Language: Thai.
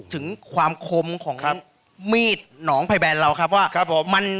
ถึงความคมของมีดหนองไพแบรนด์เราครับว่า